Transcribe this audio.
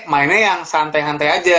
mainnya yang santai santai aja